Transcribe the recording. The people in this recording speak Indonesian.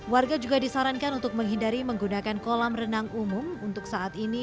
warga juga disarankan untuk menghindari menggunakan kolam renang umum untuk saat ini